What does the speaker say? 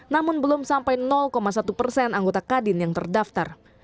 namun belum sampai satu persen anggota kadin yang terdaftar